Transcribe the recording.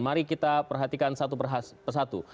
mari kita perhatikan satu persatu